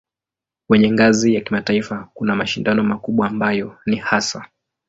Kwenye ngazi ya kimataifa kuna mashindano makubwa ambayo ni hasa